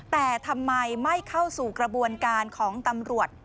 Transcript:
แต่ทำไมไม่เข้าสู่กระบวนการของตำรวจ